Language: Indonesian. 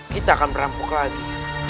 kita akan merampok lagi